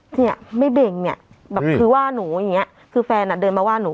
เนี่ยไม่เบ่งเนี่ยแบบคือว่าหนูอย่างเงี้ยคือแฟนอ่ะเดินมาว่าหนู